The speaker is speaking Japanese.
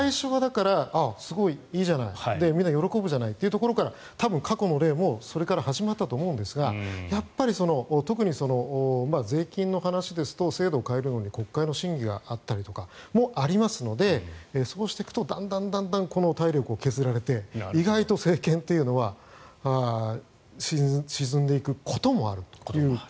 最初はいいじゃないみんな喜ぶじゃないというところから多分、過去の例もそこから始まったと思うんですが特に税金の話ですと制度を変えるのに国会の審議があったりとかもありますのでそうしていくとだんだん体力を削られて意外と政権というのは沈んでいくこともあると。